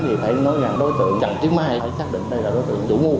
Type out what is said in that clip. thì phải nói rằng đối tượng trần tiến mai phải xác định đây là đối tượng chủ mua